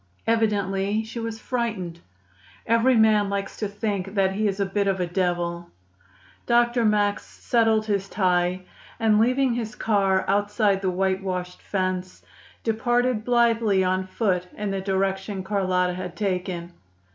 Evidently she was frightened. Every man likes to think that he is a bit of a devil. Dr. Max settled his tie, and, leaving his car outside the whitewashed fence, departed blithely on foot in the direction Carlotta had taken.